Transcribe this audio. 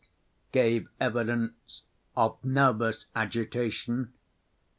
gave evidence of nervous agitation.